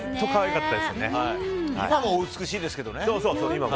今もお美しいですけどね。